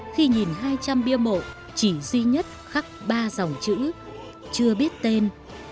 khi nhìn hai trăm linh bia mộ chỉ duy nhất khắc ba dòng chữ chưa biết tên